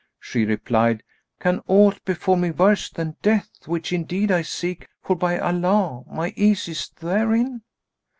She replied, 'Can aught befal me worse than death which indeed I seek, for by Allah, my ease is therein?'